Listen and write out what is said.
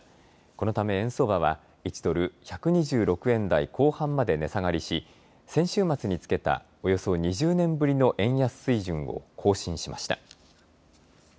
このため円相場は１ドル１２６円台後半まで値下がりし先週末につけたおよそ２０年ぶりの円安水準を更新しました。